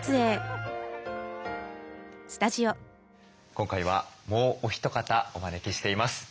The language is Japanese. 今回はもうお一方お招きしています。